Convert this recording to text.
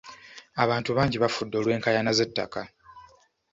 Abantu bangi bafudde olw'enkaayana z'ettaka.